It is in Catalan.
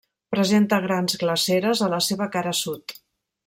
Presenta grans glaceres a la seva cara sud.